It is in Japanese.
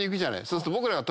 そうすると僕らが。